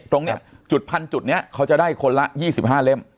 ตรงนี้จุดพันจุดนี้เขาจะได้คนละ๒๕เล่ม